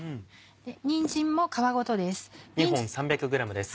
にんじんも皮ごとです。